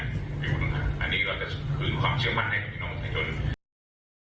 อยู่ข้างนอกเนี่ยไม่บอกนะครับต้องเข้ามาอยู่ในกระบวนการวิทยาลัยนะครับ